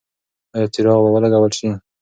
ایا څراغ به ولګول شي؟